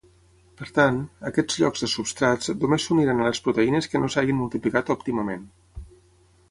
Per tant, aquests "llocs de substrats" només s'uniran a les proteïnes que no s'hagin multiplicat òptimament.